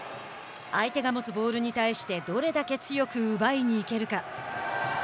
相手が持つボールに対してどれだけ強く奪いにいけるか。